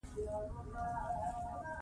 زما منی.